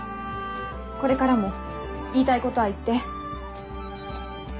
これからも言いたいことは言って。